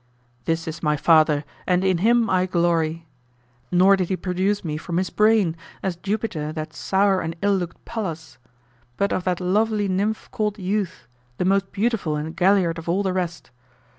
This is my father and in him I glory. Nor did he produce me from his brain, as Jupiter that sour and ill looked Pallas; but of that lovely nymph called Youth, the most beautiful and galliard of all the rest.